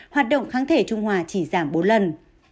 hoạt động kháng thể trung hòa chỉ giảm bốn lần